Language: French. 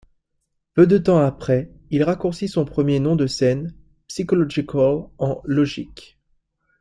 Peu de temps après, il raccourcit son premier nom de scène, Psychological, en Logic.